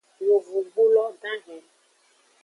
Yovogbulo dahen.